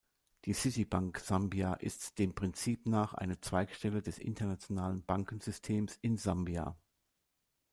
Die Citibank Zambia ist dem Prinzip nach eine Zweigstelle des internationalen Bankensystems in Sambia.